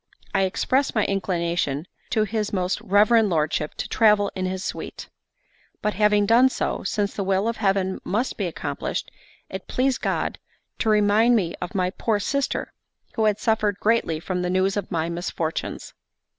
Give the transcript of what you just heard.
I expressed my inclination to his most reverend lordship to travel in his suite. But, having done so, since the will of Heaven must be accomplished, it pleased God to remind me of my poor sister, who had suffered greatly from the news of my misfortunes.